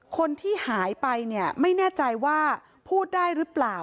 คนที่หายไปเนี่ยไม่แน่ใจว่าพูดได้หรือเปล่า